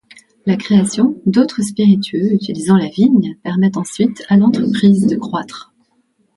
La création d’autres spiritueux utilisant la vigne permettent ensuite à l’entreprise de croître.